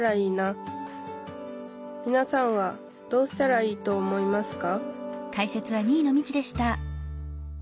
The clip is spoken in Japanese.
みなさんはどうしたらいいと思いますか？